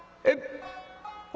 「えっ」。